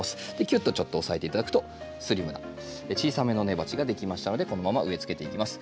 きゅっとちょっと押さえて頂くとスリムな小さめの根鉢ができましたのでこのまま植えつけていきます。